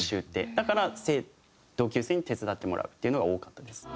だから同級生に手伝ってもらうっていうのが多かったです。